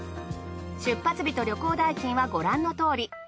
出発日と旅行代金はご覧のとおり。